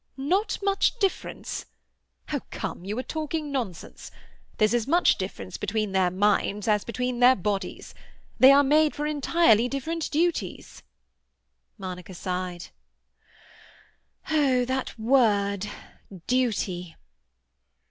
"Not much difference? Oh, come; you are talking nonsense. There's as much difference between their minds as between their bodies. They are made for entirely different duties." Monica sighed. "Oh, that word Duty!"